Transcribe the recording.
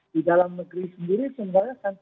di dalam negeri sendiri sebenarnya sangat mudah